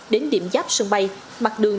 đến điểm giáp sân bay mặt đường